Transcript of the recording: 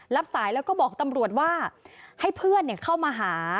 รับสายแล้วก็บอกตำรวจว่าให้เพื่อนเข้ามาหา